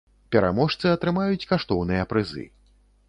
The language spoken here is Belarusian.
Пераможцы атрымаюць каштоўныя прызы.